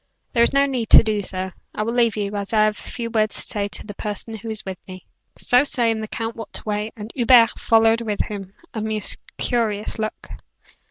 "There is no need to do so. I will leave you, as I have a few words to say to the person who is with me." So saying the count walked away, and Hubert followed him with a most curious look.